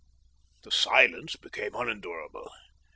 The silence became unendurable.